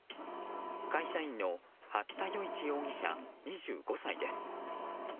会社員の八田與一容疑者２５歳です。